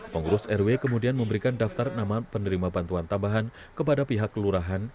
pengurus rw kemudian memberikan daftar nama penerima bantuan tambahan kepada pihak kelurahan